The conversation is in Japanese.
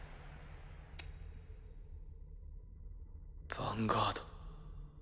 ヴァンガード。